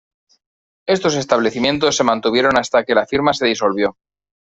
Estos establecimientos se mantuvieron hasta que la firma se disolvió.